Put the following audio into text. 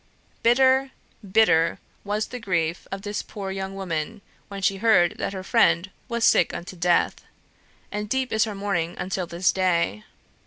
Bitter, bitter was the grief of this poor young woman, when she heard that her friend was sick unto death, and deep is her mourning until this day.